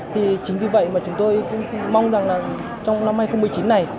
thì chính vì vậy mà chúng tôi cũng mong rằng là trong năm hai nghìn một mươi chín này